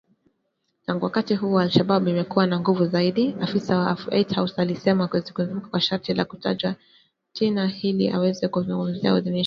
Tangu wakati huo al-Shabab imekuwa na nguvu zaidi, afisa wa White House alisema akizungumza kwa sharti la kutotajwa jina ili aweze kuzungumzia uidhinishaji huo mpya.